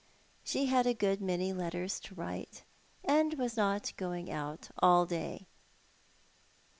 She had a good many letters to write, and was not going out all day.